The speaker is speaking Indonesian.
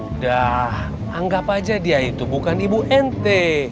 udah anggap aja dia itu bukan ibu nt